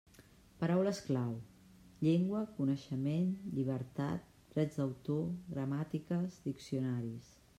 Paraules clau: llengua, coneixement, llibertat, drets d'autor, gramàtiques, diccionaris.